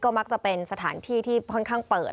มักจะเป็นสถานที่ที่ค่อนข้างเปิด